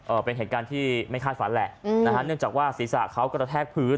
เป็นเหตุการณ์ที่ไม่คาดฝันแหละอืมนะฮะเนื่องจากว่าศีรษะเขากระแทกพื้น